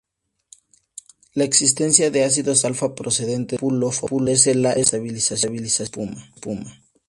La existencia de ácidos alfa procedentes del lúpulo favorece la estabilización de la espuma.